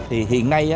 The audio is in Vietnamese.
thì hiện nay